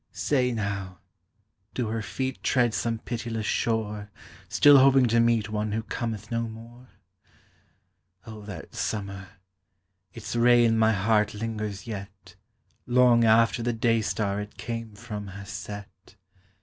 Say, now, do her feet Tread some pitiless shore, Still hoping to meet One who cometh no more? O that summer! its ray In my heart lingers yet, Long after the day Star it came from has set.